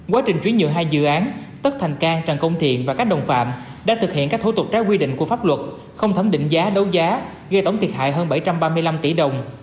quá trình chuyển nhượng hai dự án tất thành cang trần công thiện và các đồng phạm đã thực hiện các thủ tục trái quy định của pháp luật không thẩm định giá đấu giá gây tổng thiệt hại hơn bảy trăm ba mươi năm tỷ đồng